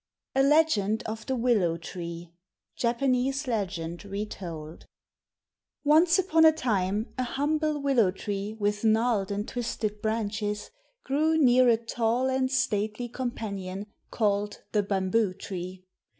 A LEGEND OF THE WILLOW TREE (Japanese Legend Retold) Once upon a time a humble willow tree with gnarled and twisted branches grew near a tall and stately companion called the bamboo tree.